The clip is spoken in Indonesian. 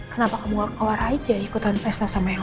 kenapa kamu gak keluar aja ikutan festa sama yang lain